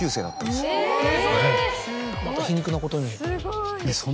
えっまた皮肉なことに。